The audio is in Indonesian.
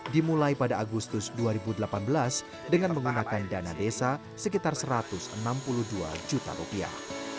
dimulai pada agustus dua ribu delapan belas dengan menggunakan dana desa sekitar satu ratus enam puluh dua juta rupiah